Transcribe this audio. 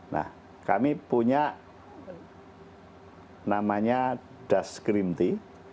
nah kami punya namanya daskrimti